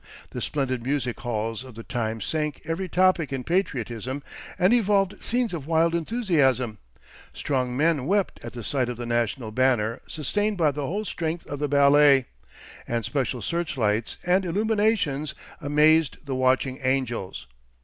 The splendid music halls of the time sank every topic in patriotism and evolved scenes of wild enthusiasm, strong men wept at the sight of the national banner sustained by the whole strength of the ballet, and special searchlights and illuminations amazed the watching angels.